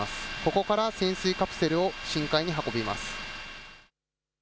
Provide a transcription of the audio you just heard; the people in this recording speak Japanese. ここから潜水カプセルを深海に運びます。